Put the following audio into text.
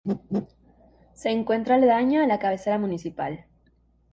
Se encuentra aledaña a la cabecera municipal.